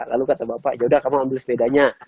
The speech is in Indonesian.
lalu kata bapak ya sudah kamu ambil sepedanya